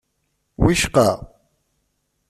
Wicqa?